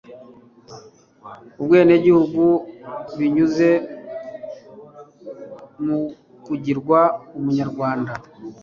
ubwenegihugu binyuze mu kugirwa Umunyarwanda